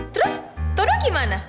terus todo gimana